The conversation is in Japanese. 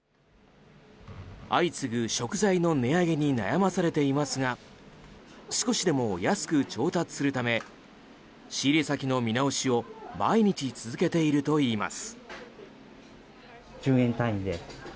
相次ぐ食材の値上げに悩まされていますが少しでも安く調達するため仕入れ先の見直しを毎日続けているといいます。